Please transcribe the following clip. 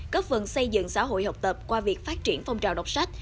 cấp phần xây dựng xã hội học tập qua việc phát triển phong trào đọc sách